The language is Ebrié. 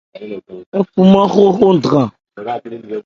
Ń hrɔman hrɔhrɔ dran.